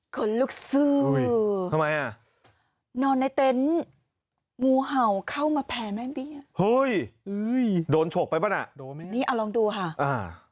คนลุกซื้อทำไมอ่ะนอนในเต็นต์งูเห่าเข้ามาแผ่แม่เบี้ยเฮ้ยโดนฉกไปป่ะน่ะโดนไหมนี่อ่ะลองดูค่ะอ่า